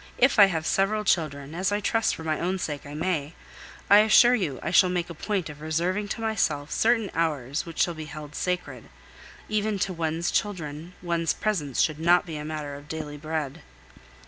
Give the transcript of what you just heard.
If I have several children, as I trust for my own sake I may, I assure you I shall make a point of reserving to myself certain hours which shall be held sacred; even to one's children one's presence should not be a matter of daily bread.